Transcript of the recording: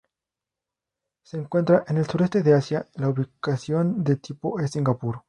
Se encuentra en el sureste de Asia, la ubicación de tipo es Singapur.